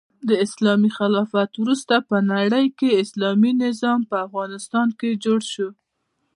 د عثماني خلافت وروسته په نړۍکې اسلامي نظام په افغانستان کې جوړ شو.